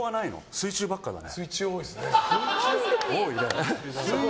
水中ばっかだね。